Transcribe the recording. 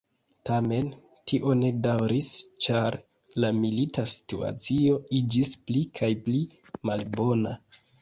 Tamen, tio ne daŭris ĉar la milita situacio iĝis pli kaj pli malbona.